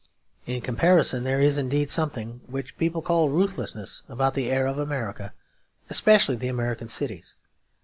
In comparison there is indeed something which people call ruthless about the air of America, especially the American cities.